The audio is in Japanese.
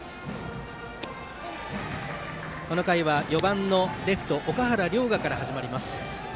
この回は４番のレフト岳原陵河から始まります。